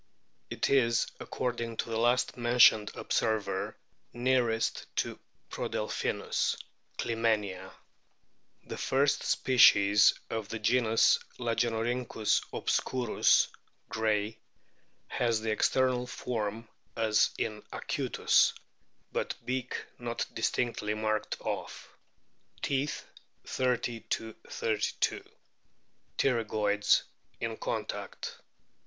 It is, according to the last mentioned observer, nearest to Prodelpkinus (Clymenia}. The first species of the genus Lageiwrhynchus obscurus, Gray* (Fig. 33), has the external form as in acutus, but beak not distinctly marked off. Teeth, 30 32. Pterygoids in contact.